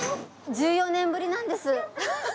１４年ぶりなんです。